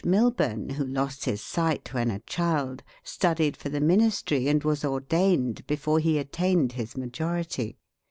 Milburn, who lost his sight when a child, studied for the ministry, and was ordained before he attained his majority.